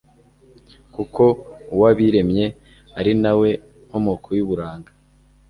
kuko uwabiremye ari na we nkomoko y'uburanga